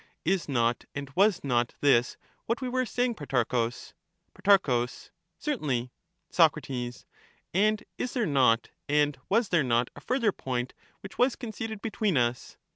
Is not and was not this what we were saying, Protarchus ? Pro. Certainly. Soc. And is there not and was there not a further point which was Qonceded between us